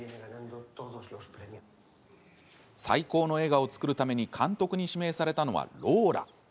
最高の映画を作るために監督に指名されたのはローラ。